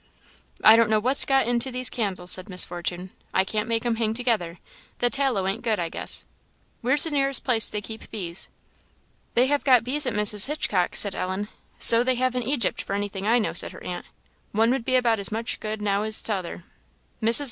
"I don't know what's got into these candles," said Miss Fortune. "I can't make 'em hang together; the tallow ain't good, I guess. Where's the nearest place they keep bees?" "They have got bees at Mrs. Hitchcock's," said Ellen. "So they have in Egypt, for anything I know," said her aunt; "one would be about as much good now as t'other. Mrs.